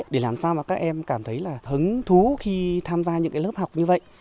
để làm sao mà các em cảm thấy là hứng thú khi tham gia những cái lớp học như vậy